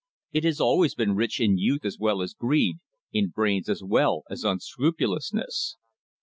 It has always been rich in youth as well as greed, in brains as well as unscrupulousness.